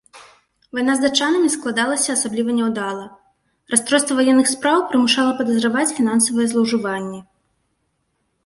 Вайна з датчанамі складалася асабліва няўдала, расстройства ваенных спраў прымушала падазраваць фінансавыя злоўжыванні.